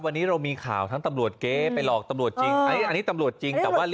วันนี้เรามีข่าวทั้งตำรวจเก๊ไปหลอกตำรวจจริง